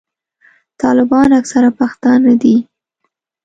طالبان اکثره پښتانه دي.